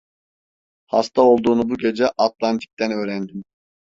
Hasta olduğunu bu gece Atlantik'ten öğrendim.